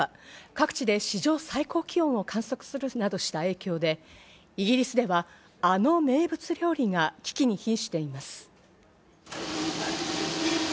各地で史上最高気温を観測するなどした影響で、イギリスではあの名物料理が危機に瀕しています。